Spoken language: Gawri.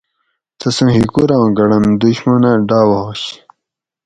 تسوں ہِکوراں گۤھڑن دشمنہ ڈاواش